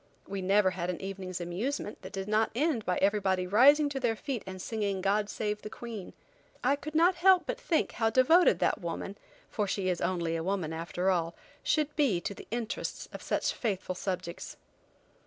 We never had an evening's amusement that did not end by everybody rising to their feet and singing "God Save the Queen." I could not help but think how devoted that woman, for she is only a woman after all, should be to the interests of such faithful subjects.